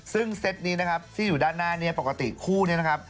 ซึ่งเซตนี้นะครับที่อยู่ด้านหน้านี้ปกติคู่นี้นะครับ